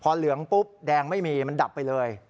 พอเหลืองปุ๊บแดงไม่มีมันดับไปเลย